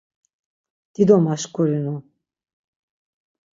Dido maşkurinu.